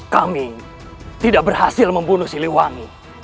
kami tidak berhasil membunuh siliwangi